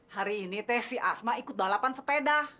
hari ini tes si asma ikut balapan sepeda